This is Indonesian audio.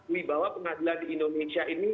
wibawa pengadilan di indonesia ini